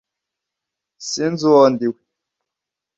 sinzi uwo ndi we